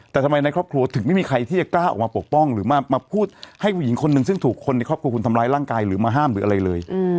แต่ทำไมในครอบครัวถึงไม่มีใครที่จะกล้าออกมาปกป้องหรือมาพูดให้ผู้หญิงคนหนึ่งซึ่งถูกคนในครอบครัวคุณทำร้ายร่างกายหรือมาห้ามหรืออะไรเลย